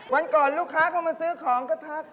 วันก่อนลูกค้าเข้ามาซื้อของก็ทัก